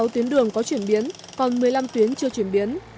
tám mươi sáu tuyến đường có chuyển biến còn một mươi năm tuyến chưa chuyển biến